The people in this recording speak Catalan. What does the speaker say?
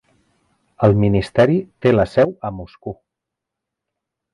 El Ministeri té la seu a Moscou.